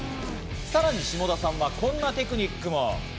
さらに下田さんは、こんなテクニックも。